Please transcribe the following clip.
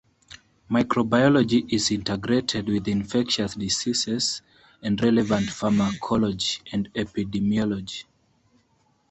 Microbiology is integrated with infectious diseases and relevant pharmacology and epidemiology.